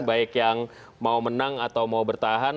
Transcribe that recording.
baik yang mau menang atau mau bertahan